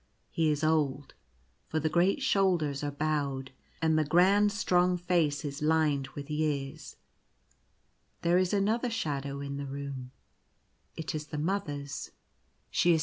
He is old, for the great shoulders are bowed, and the grand strong face is lined with years. There is another shadow in the room ; it is the Mother's — she is 96 The Sailing of the Ship.